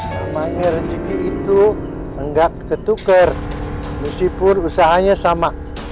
namanya rezeki itu enggak ketukar meskipun usahanya sama